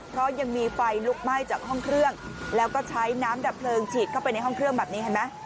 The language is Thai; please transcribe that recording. เพราะยังมีไฟลุกไหม้จากห้องเครื่องแล้วก็ใช้น้ำดับเพลิงฉีดเข้าไปในห้องเครื่องแบบนี้เห็นไหม